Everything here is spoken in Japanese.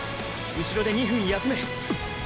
うしろで２分休め！！